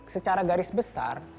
secara garis besar